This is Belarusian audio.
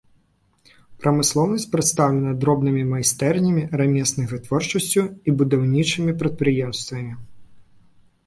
Прамысловасць прадстаўлена дробнымі майстэрнямі, рамеснай вытворчасцю і будаўнічымі прадпрыемствамі.